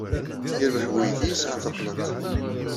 Yerbeḥ wegdi yesɛa taqlaḍṭ!